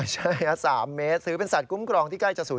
ใช่๓เมตรซื้อเป็นสัตว์กุ้มกรองที่ใกล้จะ๐๐๐๐แล้ว